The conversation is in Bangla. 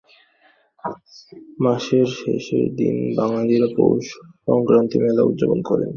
মাসের শেষের দিন বাঙালিরা পৌষ সংক্রান্তির মেলা উৎযাপন করে।